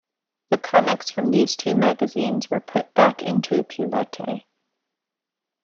The comics from these two magazines were put back into "Pilote".